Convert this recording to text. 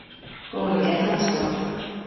Күңелгә тыныслыҡ!